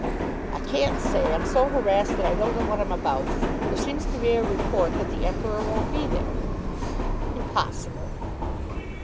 "I can't say. I'm so harassed that I don't know what I'm about. There seems to be a report that the Emperor won't be there." "Impossible!"